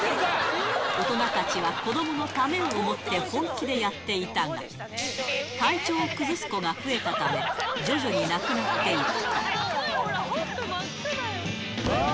大人たちは、子どものためを思って、本気でやっていたが、体調を崩す子が増えたため、徐々になくなっていった。